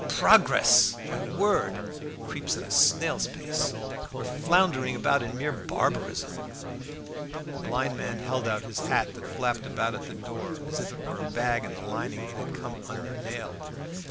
Progress, my word! creeps at a snail's pace. We are floundering about in mere barbarism." The blind man held out his hat, that flapped about at the door, as if it were a bag in the lining that had come unnailed.